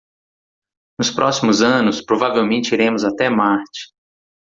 Nos próximos anos, provavelmente iremos até Marte.